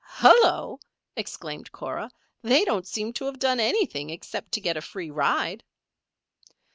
"Hullo!" exclaimed Cora. "They don't seem to have done anything except to get a free ride."